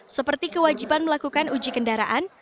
seperti kewajiban melakukan uji kendaraan